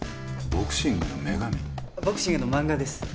ボクシングの漫画です。